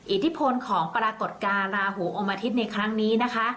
อิทธิพลของปรากฏการณ์ลาหูอมอาทิตย์ในครั้งนี้นะคะ